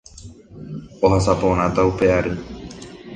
ohasaporãta upe ary